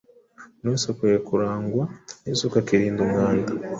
Umuntu wese akwiriye kurangwa n’isuku akirinda umwanda.